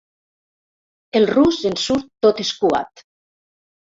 El rus en surt tot escuat.